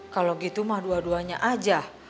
kalau gitu mah dua duanya aja